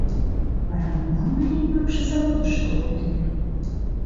Вара молан марий-влакше заводышто огыт иле?